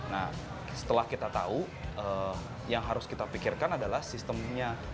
nah setelah kita tahu yang harus kita pikirkan adalah sistemnya